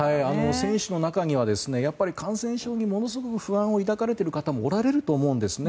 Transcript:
選手の中にはやっぱり感染症にものすごく不安を抱かれている方も多いと思うんですよ。